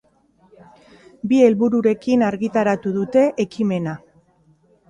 Bi helbururekin argitaratu dute ekimena.